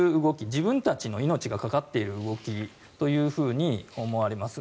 自分たちの命がかかっている動きというふうに思われます。